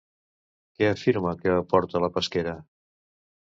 Què afirma que aporta la pesquera?